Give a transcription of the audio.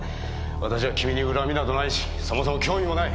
私は君に恨みなどないしそもそも興味もない。